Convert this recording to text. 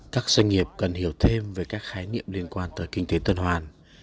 các doanh nghiệp cần hiểu thêm về các khái niệm liên quan tới kinh tế tuần hoàn